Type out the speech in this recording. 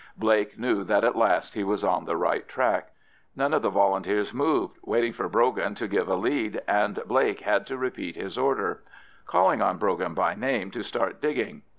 Blake knew that at last he was on the right track. None of the Volunteers moved, waiting for Brogan to give a lead, and Blake had to repeat his order, calling on Brogan by name to start digging.